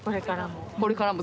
これからも。